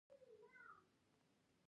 سبا وختي به له خیره حرکت وکړې، سمه ده.